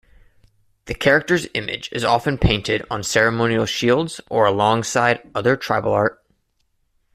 The character's image is often painted on ceremonial shields or alongside other tribal art.